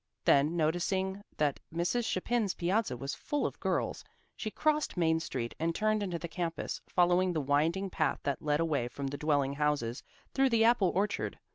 Then, noticing that Mrs. Chapin's piazza was full of girls, she crossed Main Street and turned into the campus, following the winding path that led away from the dwelling houses through the apple orchard.